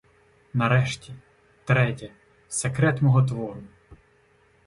Нарешті — третє — секрет мого твору.